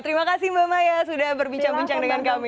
terima kasih mbak maya sudah berbincang bincang dengan kami